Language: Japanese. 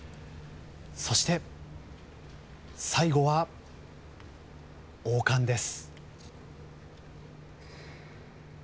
そして最後は、王冠です。